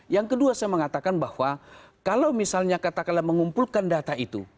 yang kedua saya mengatakan bahwa kalau misalnya katakanlah mengumpulkan data itu